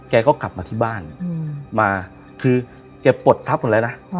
แกก็กลับมาที่บ้านมาคือแกปลดทรัพย์หมดแล้วนะ